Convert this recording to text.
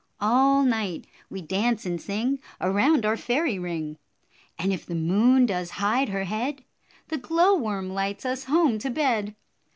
All night we dance and sing Around our fairy ring; And if the moon does hide her head, The glow worm lights us home to bed.